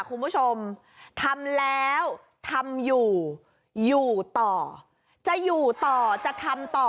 คุณผู้ชมทำแล้วทำอยู่อยู่ต่อจะอยู่ต่อจะทำต่อ